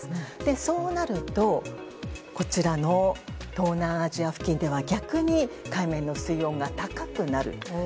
そうなると東南アジア付近では逆に海面の水温が高くなる。